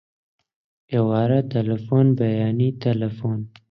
ئێوارە تەلەفۆن، بەیانی تەلەفۆن